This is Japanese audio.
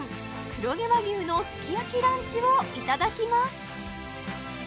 黒毛和牛のすき焼きランチをいただきます！